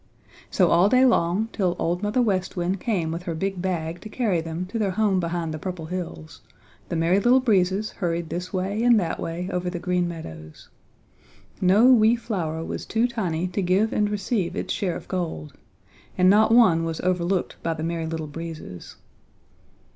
So all day long, till Old Mother West Wind came with her big bag to carry them to their home behind the Purple Hills, the Merry Little Breezes hurried this way and that way over the Green Meadows. No wee flower was too tiny to give and receive its share of gold, and not one was overlooked by the Merry Little Breezes.